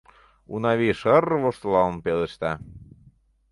— Унавий шыр-р воштылалын пелешта.